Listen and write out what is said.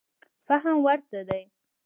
فهم ورته دی.